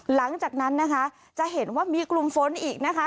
หลังจากนั้นนะคะจะเห็นว่ามีกลุ่มฝนอีกนะคะ